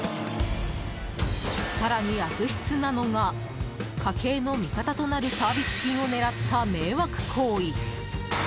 更に、悪質なのが家計の味方となるサービス品を狙った迷惑行為。